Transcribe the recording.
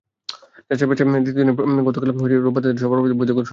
যাচাই-বাছাইয়ের দ্বিতীয় দিনে গতকাল রোববার তাঁদের সবার প্রার্থিতা বৈধ ঘোষণা করা হয়েছে।